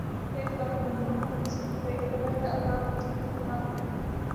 اے خدا کے بندوں کبھی سوچا ہے قبر کا عذاب کتنا خطرناک ہے